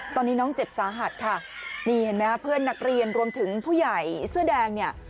ตอนนี้น้องเจ็บสาหัสค่ะนี่เห็นไหมครับเพื่อนนักเรียนรวมถึงผู้ใหญ่เสื้อแดงเนี่ย